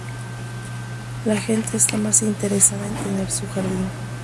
La gente está más interesada en tener su jardín.